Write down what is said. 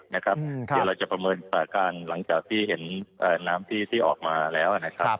เดี๋ยวเราจะประเมินประการหลังจากที่เห็นน้ำที่ออกมาแล้ว